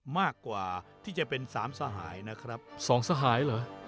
มากกว่าที่จะเป็นสามสหายนะครับ๒สหายเหรอ